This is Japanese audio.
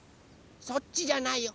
そっちじゃないよ。